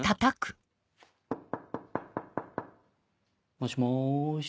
もしもし。